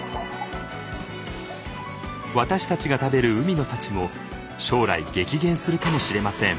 私たちが食べる海の幸も将来激減するかもしれません。